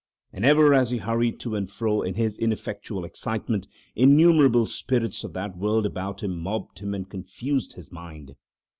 And ever as he hurried to and fro in his ineffectual excitement, innumerable spirits of that world about him mobbed him and confused his mind.